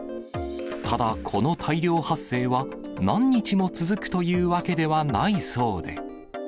ただ、この大量発生は何日も続くというわけではないそうで。